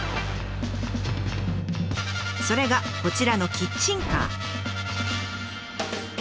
それがこちらのキッチンカー。